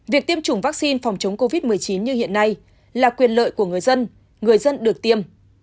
việc tiêm chủng vaccine phòng chống covid một mươi chín như hiện nay là quyền lợi của người dân người dân được tiêm